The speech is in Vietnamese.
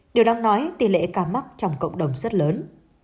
điều đáng nói tỷ lệ ca mắc trong cộng đồng rất lớn